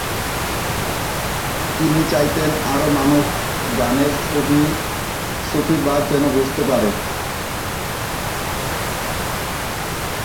তিনি চাইতেন আরও মানুষ গানের সুফিবাদ যেন বুঝতে পারে।